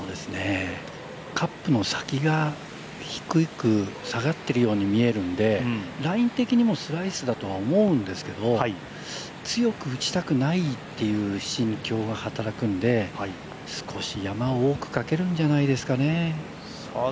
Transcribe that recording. カップの先が低く下がっているように見えるのでライン的にもスライスだとは思うんですけど強く打ちたくないっていう心境が働くので少し山を多くかけるんじゃないでしょうかね。